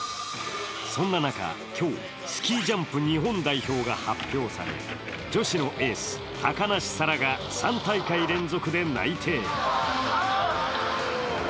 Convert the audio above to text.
そんな中、今日、スキージャンプ日本代表が発表され、女子のエース、高梨沙羅が３大会連続で内定。